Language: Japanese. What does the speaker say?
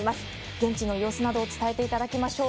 現地の様子などを伝えてもらいましょう。